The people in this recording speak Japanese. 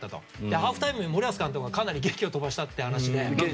ハーフタイムに、森保監督がかなりげきを飛ばしたって話が。